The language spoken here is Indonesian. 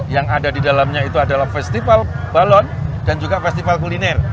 yang ada di dalamnya itu adalah festival balon dan juga festival kuliner